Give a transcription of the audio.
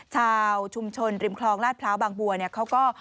ชาวชุมชนริมคลองลาดพร้าวบางบัวเนี่ยเขาก็